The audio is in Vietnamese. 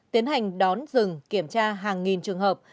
tiến hành đón dừng kiểm tra hàng nghìn trường hợp